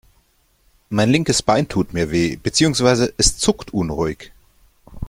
Mein linkes Bein tut mir weh, beziehungsweise es zuckt unruhig.